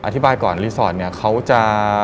อธิบายก่อนรีสอร์ทเนี่ยเขาจะ